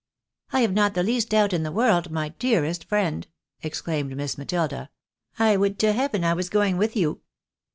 " I have not the least doubt in the world, my dearest friend !" exclaimed Miss MatUda. " I would to heaven I was going with you